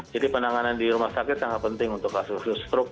penanganan di rumah sakit sangat penting untuk kasus stroke